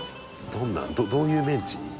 どんなどういうメンチ？